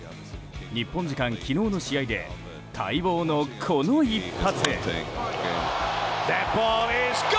日本時間昨日の試合で待望のこの一発。